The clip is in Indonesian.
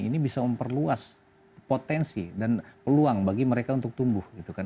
ini bisa memperluas potensi dan peluang bagi mereka untuk tumbuh gitu kan